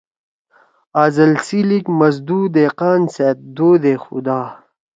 ازل سی لیِک مزدُو دیقان سیت دودے خدا